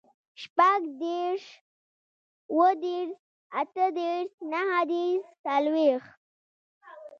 شپوږدېرس, اوهدېرس, اتهدېرس, نهدېرس, څلوېښت